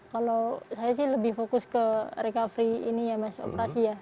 kalau saya sih lebih fokus ke recovery ini ya mas operasi ya